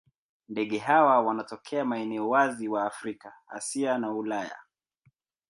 Ndege hawa wanatokea maeneo wazi wa Afrika, Asia na Ulaya.